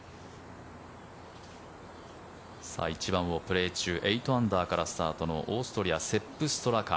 １番をプレー中８アンダーからスタートの、オーストリアセップ・ストラカ。